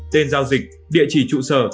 tên giao dịch địa chỉ trụ sở